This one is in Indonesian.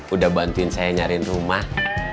udah bantuin saya nyariin rumah